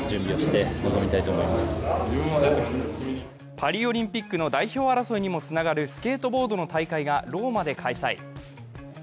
パリオリンピックの代表争いにもつながるスケートボードの大会がローマで開催。